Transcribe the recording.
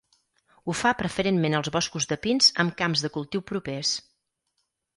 Ho fa preferentment als boscos de pins amb camps de cultiu propers.